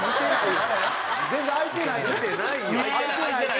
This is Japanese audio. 全然開いてないもん。